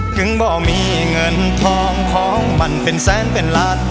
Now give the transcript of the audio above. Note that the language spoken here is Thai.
ถึงบ่อมีเงินทองเพาะมันเป็นแสนเป็นลัทร